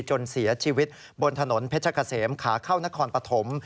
จนเสียชีวิตบนถนนเพชรเกษมขาเข้านครปฐม